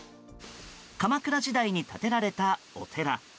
鎌倉時代に建てられたお寺。